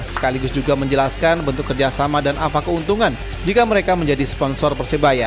sekaligus juga menjelaskan bentuk kerjasama dan apa keuntungan jika mereka menjadi sponsor persebaya